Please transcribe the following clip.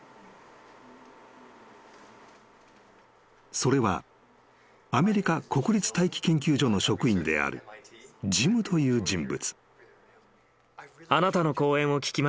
［それはアメリカ国立大気研究所の職員であるジムという人物］